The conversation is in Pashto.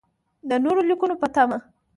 د نورو لیکنو په تمه.